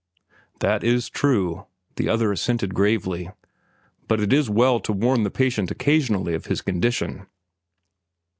"That is true," the other assented gravely. "But it is well to warn the patient occasionally of his condition."